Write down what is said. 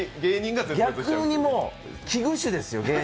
逆にもう、危惧種ですよ。